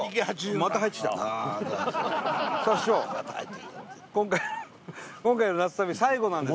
「また入ってきた」て。